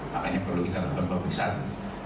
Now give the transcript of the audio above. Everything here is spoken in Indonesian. makanya perlu kita lakukan pemeriksaan